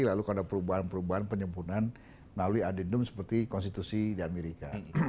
lalu ada perubahan perubahan penyempurnaan melalui adendum seperti konstitusi di amerika